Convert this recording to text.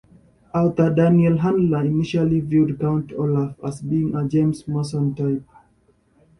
Author Daniel Handler initially viewed Count Olaf as being a James Mason-type.